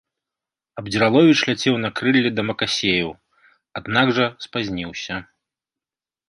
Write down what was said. Абдзіраловіч ляцеў на крыллі да Макасеяў, аднак жа спазніўся.